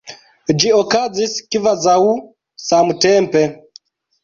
Ĝi okazis kvazaŭ samtempe.